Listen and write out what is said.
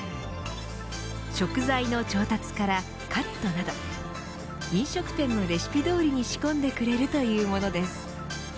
食材の調達からカットなど飲食店のレシピどおりに仕込んでくれるというものです。